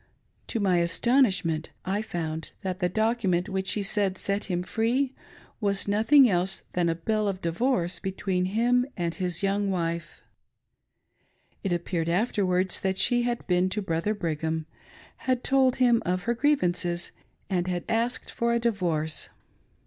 To my astonishment I found that the document which he said set him free, was nothing. else than a bill of divorce between him and his young wife. It appeared a:fterwards that she had been to Brother Brigham, had told him of her grievances, and had asked for a divorce.